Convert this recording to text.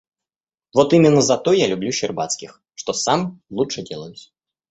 Вот именно за то я люблю Щербацких, что сам лучше делаюсь.